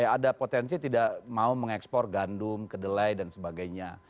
ada potensi tidak mau mengekspor gandum kedelai dan sebagainya